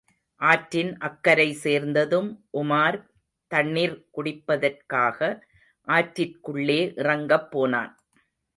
ஆற்றின் அக்கரை சேர்ந்ததும், உமார் தண்ணிர் குடிப்பதற்காக ஆற்றிற்குள்ளே இறங்கப் போனான்.